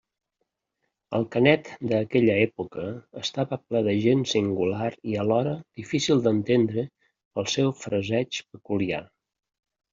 El Canet d'aquella època estava ple de gent singular i alhora difícil d'entendre pel seu fraseig peculiar.